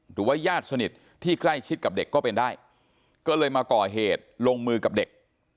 หรือว่าญาติสนิทที่ใกล้ชิดกับเด็กก็เป็นได้ก็เลยมาก่อเหตุลงมือกับเด็ก